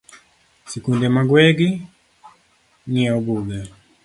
Sikunde mag wegi ng’iewo buge